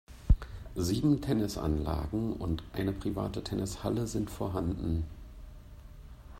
Sieben Tennisanlagen und eine private Tennishalle sind vorhanden.